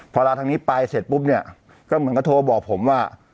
พอลาทางนี้ไปเสร็จปุ๊บเนี่ยก็เหมือนกับโทรบอกผมว่า